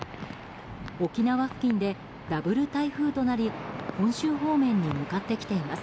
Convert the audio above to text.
沖縄付近でダブル台風となり本州方面に向かってきています。